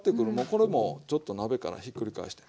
これもちょっと鍋からひっくり返して。